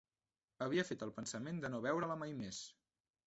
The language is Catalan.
Havia fet el pensament de no veure-la mai més.